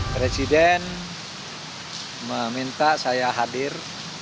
presiden meminta saya hadir